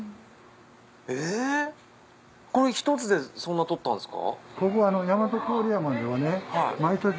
これ１つでそんな取ったんですか？